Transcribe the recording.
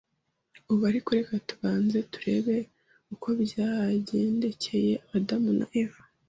Ubu ariko reka tubanze turebe uko byagendekeye Adamu na Eva.